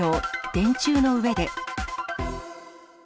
電柱の上で。